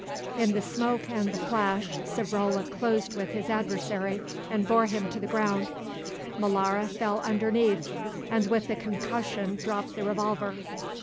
In the smoke and the flash Savrola closed with his adversary and bore him to the ground. Molara fell underneath and with the concussion dropped the revolver.